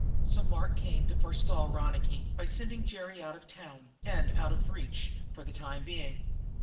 So Mark came to forestall Ronicky, by sending Jerry out of town and out of reach, for the time being.